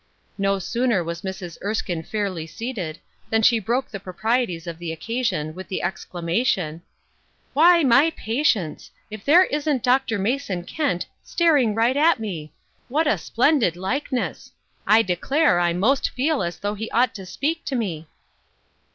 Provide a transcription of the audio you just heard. No sooner was Mrs. Erskine fairly seated than she broke the propri eties of the occasion with the exclamation :" Why, my patience ! if there isn't Dr. Mason Kent, staring right straight at me ! What a splendid likeness! I declare I most feel as though he ought to speak to me."